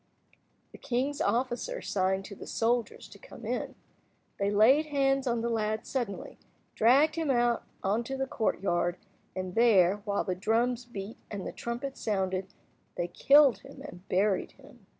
The king's officer signed to the soldiers to come in. They laid hands on the lad suddenly, dragged him out into the courtyard, and there, while the drums beat and the trumpets sounded, they killed him and buried him.